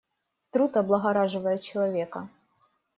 Труд облагораживает человека.